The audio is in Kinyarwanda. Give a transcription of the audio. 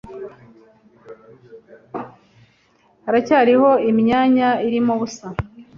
Haracyariho imyanya irimo ubusa?